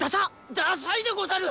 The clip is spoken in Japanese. ダサイでござる！